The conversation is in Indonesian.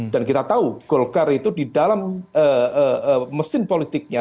dan kita tahu golkar itu di dalam mesin politiknya